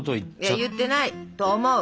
いや言ってないと思う。